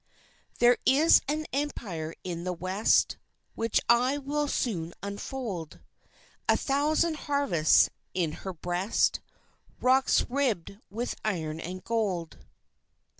There is an Empire in the West Which I will soon unfold, A thousand harvests in her breast, Rocks ribbed with iron and gold."